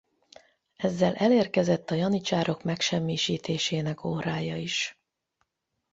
Ezzel elérkezett a janicsárok megsemmisítésének órája is.